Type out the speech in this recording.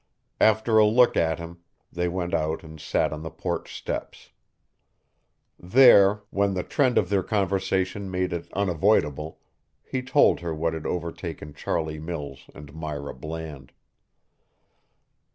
After a look at him, they went out and sat on the porch steps. There, when the trend of their conversation made it unavoidable, he told her what had overtaken Charlie Mills and Myra Bland.